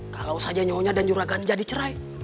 kalo nyonya dan juragan jadi cerai